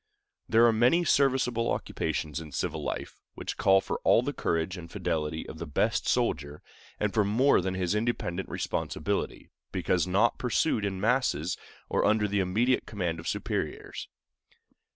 There are many serviceable occupations in civil life which call for all the courage and fidelity of the best soldier, and for more than his independent responsibility, because not pursued in masses or under the immediate command of superiors.